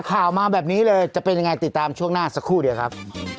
ข่าวมาแบบนี้เลยจะเป็นยังไงติดตามช่วงหน้าสักครู่เดียวครับ